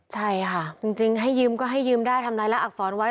ใช่ค่ะจริงให้ยืมก็ให้ยืมได้ทำลายละอักษรไว้